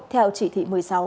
theo chỉ thị một mươi sáu